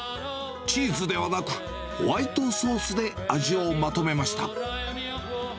チーズではなく、ホワイトソースで味をまとめました。